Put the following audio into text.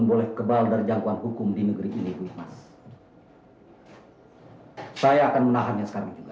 boleh kebal darjangkauan hukum di negeri ini saya akan menahannya sekarang juga